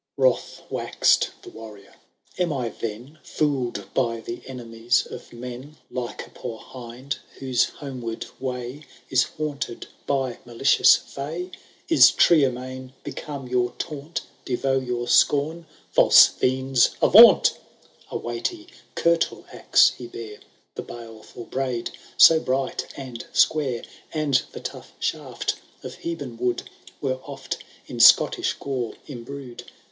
XIII. Wroth wax'd the Warrior.— Am I then Foord by the enemies of men. Like a poor hind, whose homeward way Is haimted^ by malicious &y ? Is Triermain become your taunt, De Vaux your scorn ? False fiends, avaunt !" A weighty curtal axe ho bare ; The baleful blade so bright and square, And the tough shaft of heben wood. Were oft in Scottish gore imbrued.